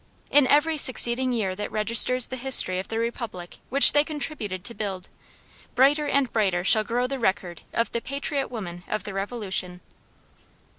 In every succeeding year that registers the history of the Republic which they contributed to build, brighter and brighter shall grow the record of the Patriot Women of the Revolution.